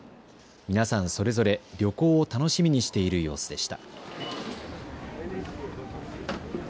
皆さん、それぞれ旅行を楽しみにしている様子でした。